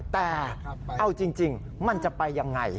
แต่เอาจริงมันจะไปยังไง